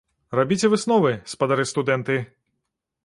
Рабіце высновы, спадары студэнты!